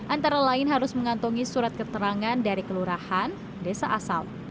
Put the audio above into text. antara lain harus mengantongi surat keterangan dari kelurahan desa asal